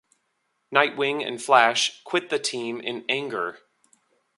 Nightwing and Flash quit the team in anger.